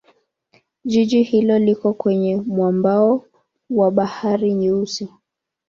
Jiji hilo liko kwenye mwambao wa Bahari Nyeusi.